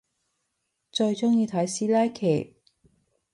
最中意睇師奶劇